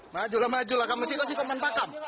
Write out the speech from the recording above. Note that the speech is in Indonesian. maju lah maju lah kamu masih ke sini kamu menbakam